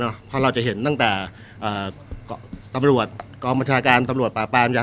เพราะเราจะเห็นตั้งแต่เอ่อตำรวจกองบัญชาการตำรวจปราบปรามจาก